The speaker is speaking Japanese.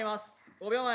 ５秒前。